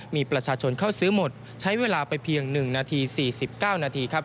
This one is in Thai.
มีประชาชนเข้าซื้อหมดใช้เวลาไปเพียง๑นาที๔๙นาทีครับ